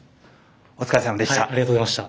お疲れさまでした。